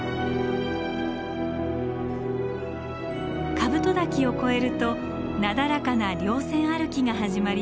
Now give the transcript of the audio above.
カブト嶽を越えるとなだらかな稜線歩きが始まります。